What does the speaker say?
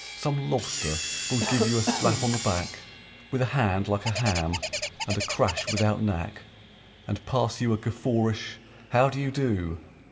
Some lobster will give you a slap on the back With a hand like a ham and a crash without knack And pass you a guffawish "How do you do?"